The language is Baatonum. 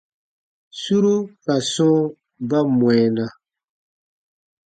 Suru ka sɔ̃ɔ ba mwɛɛna.